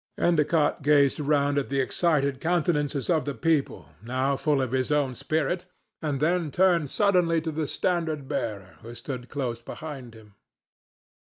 Endicott gazed round at the excited countenances of the people, now full of his own spirit, and then turned suddenly to the standard bearer, who stood close behind him.